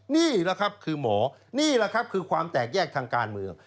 นี่แหละครับคือหมอนี่แหละครับคือความแตกแยกทางการเมือง